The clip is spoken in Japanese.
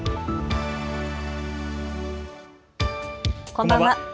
こんばんは。